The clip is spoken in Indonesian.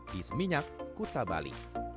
di seminyak kuta bali